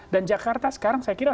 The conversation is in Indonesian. dan jakarta sekarang saya kira